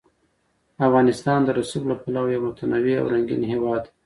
افغانستان د رسوب له پلوه یو متنوع او رنګین هېواد دی.